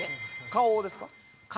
顔をですか？